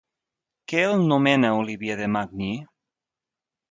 Què el nomena Olivier de Magny?